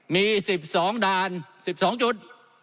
มี๑๒ด่าน๑๒จุด